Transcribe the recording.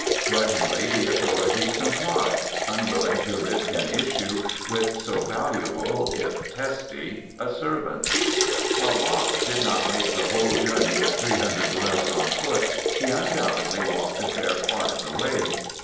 Grudgingly the authorities complied, unwilling to risk an issue with so valuable, if testy, a servant. While Bach did not make the whole journey of three hundred miles on foot he undoubtedly walked a fair part of the way.